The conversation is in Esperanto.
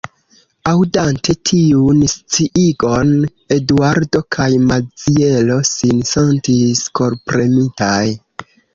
Aŭdante tiun sciigon, Eduardo kaj Maziero sin sentis korpremitaj.